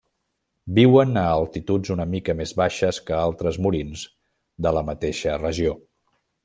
Viuen a altituds una mica més baixes que altres murins de la mateixa regió.